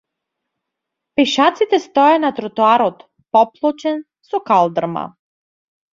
Пешаците стоеја на тротоарот поплочен со калдрма.